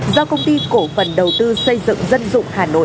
do công ty cổ phần đầu tư xây dựng dân dụng hà nội